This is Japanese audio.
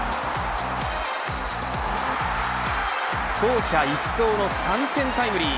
走者一掃の３点タイムリー。